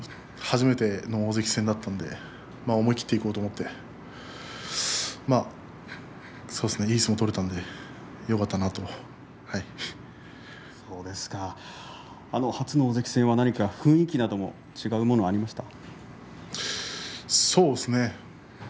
初めての大関戦でしたので思い切っていこうと思っていい相撲が取れたので、よかった初の大関戦雰囲気なども違うものもありました。